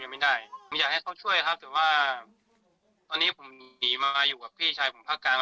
ไม่ได้ผมอยากให้เขาช่วยครับแต่ว่าตอนนี้ผมหนีมาอยู่กับพี่ชายผมภาคกลาง